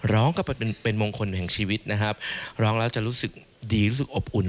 ก็เป็นเป็นมงคลแห่งชีวิตนะครับร้องแล้วจะรู้สึกดีรู้สึกอบอุ่น